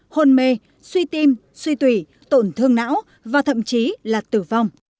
hôn mê suy tim suy tùy tổn thương não và thậm chí là tử vong